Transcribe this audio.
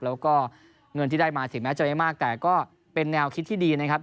แล้วก็เงินที่ได้มาถึงแม้จะไม่มากแต่ก็เป็นแนวคิดที่ดีนะครับ